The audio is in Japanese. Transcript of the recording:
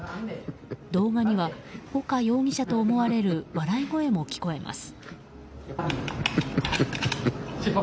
動画には、岡容疑者と思われる笑い声も聞こえます。